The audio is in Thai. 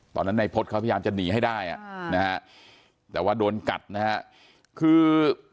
ตอนนั้นนายพฤษเขาพยายามจะหนีให้ได้นะฮะแต่ว่าโดนกัดนะฮะคือ